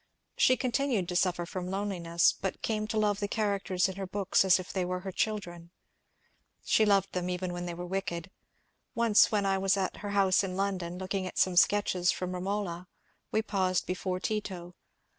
She continued to suffer from loneliness, but came to love the characters in her books as if they were her children. She loved them even when they were wicked. Once when I was at her house in London, looking at some sketches from ' Bomola,' we paused before * Tito.'